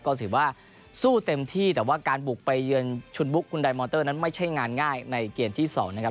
ก็ถือว่าสู้เต็มที่แต่ว่าการบุกไปเยือนชุดบุ๊กคุณไดมอเตอร์นั้นไม่ใช่งานง่ายในเกมที่๒นะครับ